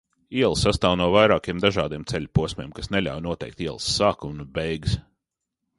Iela sastāv no vairākiem dažādiem ceļa posmiem, kas neļauj noteikt ielas sākumu un beigas.